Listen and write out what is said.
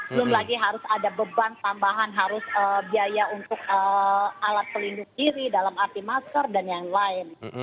belum lagi harus ada beban tambahan harus biaya untuk alat pelindung diri dalam arti masker dan yang lain